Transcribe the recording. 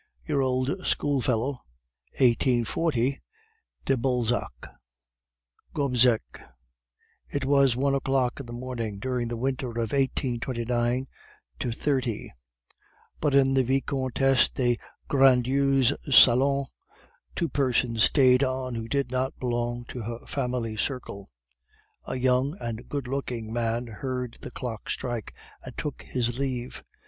Your old schoolfellow, 1840 De Balzac. GOBSECK It was one o'clock in the morning, during the winter of 1829 30, but in the Vicomtesse de Grandlieu's salon two persons stayed on who did not belong to her family circle. A young and good looking man heard the clock strike, and took his leave.